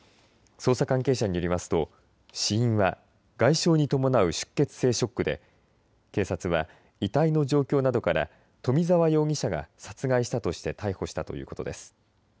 捜査関係者によりますと死因は外傷に伴う出血性ショックで警察は遺体の状況などから冨澤容疑者が殺害したとして逮捕したということです。